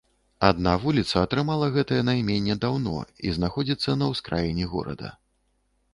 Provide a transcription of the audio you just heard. Адна вуліца атрымала гэтае найменне даўно і знаходзіцца на ўскраіне горада.